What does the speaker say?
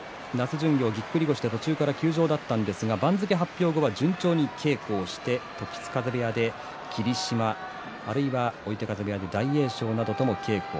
巡業、ぎっくり腰で途中から休場だったんですが番付発表後は順調に稽古をして時津風部屋で霧島あるいは追手風部屋の大栄翔などとも稽古。